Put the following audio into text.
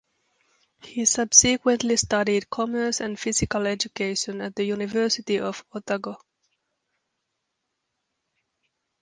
He subsequently studied commerce and physical education at the University of Otago.